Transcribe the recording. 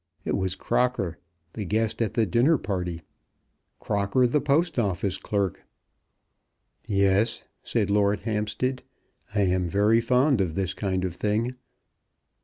It was Crocker, the guest at the dinner party, Crocker, the Post Office clerk. "Yes," said Lord Hampstead, "I am very fond of this kind of thing.